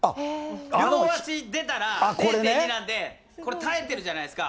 両足出たら、０．２なんで、これ、耐えてるじゃないですか。